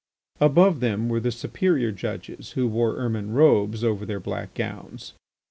Above them were the superior judges who wore ermine robes over their black gowns.